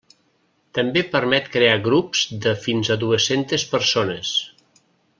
També permet crear grups de fins a dues-centes persones.